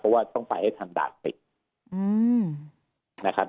เพราะว่าต้องไปให้ทางด่านปิด